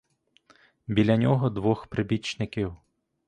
Біля нього двох прибічників.